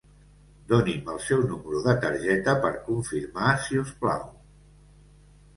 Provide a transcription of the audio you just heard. Doni'm el seu número de targeta per confirmar si us plau.